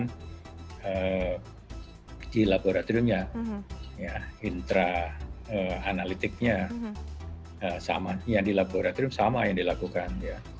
itu di laboratoriumnya intra analytiknya yang di laboratorium sama yang dilakukan